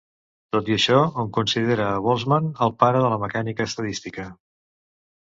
Tot i això, hom considera Boltzmann el pare de la mecànica estadística.